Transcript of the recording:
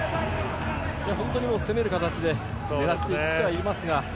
本当に攻める形で狙っていっていますが。